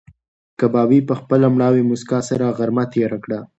کبابي په خپله مړاوې موسکا سره غرمه تېره کړه.